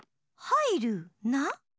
「はいるな」？